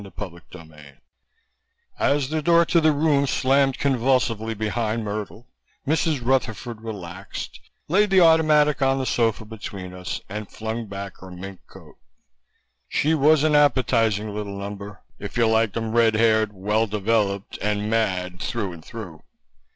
CHAPTER 5 As the door to the room slammed convulsively behind Myrtle, Mrs. Rutherford relaxed, laid the automatic on the sofa between us, and flung back her mink coat. She was an appetizing little number, if you like 'em red haired, well developed and mad through and through.